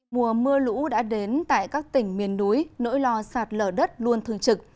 mùa mưa lũ đã đến tại các tỉnh miền núi nỗi lo sạt lở đất luôn thường trực